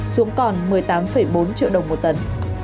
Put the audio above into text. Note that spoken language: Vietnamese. xuống còn một mươi tám bốn triệu đồng một tấn